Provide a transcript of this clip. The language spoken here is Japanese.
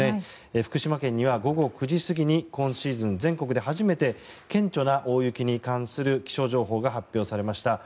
福島県には午後９時過ぎに今シーズン全国で初めて顕著な大雪に関する気象情報が発表されました。